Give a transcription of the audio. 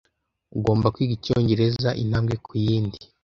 Ugomba kwiga icyongereza intambwe ku yindi.